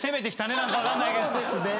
何か分かんないけど。